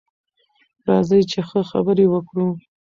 راځئ چې ښه خبرې وکړو.